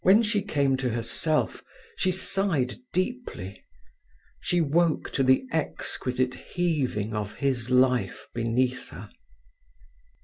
When she came to herself she sighed deeply. She woke to the exquisite heaving of his life beneath her.